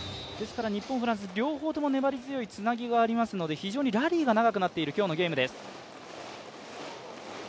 日本、フランス、両方とも粘り強いつなぎがありますので非常にラリーが長くなっている今日のゲームです。